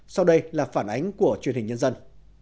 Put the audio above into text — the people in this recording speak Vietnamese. sau đây là phản ánh của truyền hình nhân dân